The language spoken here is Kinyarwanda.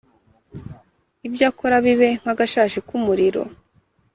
ibyo akora bibe nk’agashashi k’umuriro,